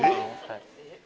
はい。